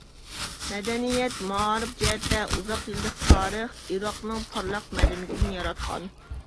مەدەنىيەت-مائارىپ جەھەتتە: ئۇزاق يىللىق تارىخ ئىراقنىڭ پارلاق مەدەنىيىتىنى ياراتقان.